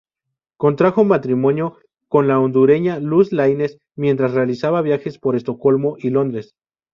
Contrajo matrimonio con la hondureña Luz Laínez, mientras realizaba viajes por Estocolmo y Londres.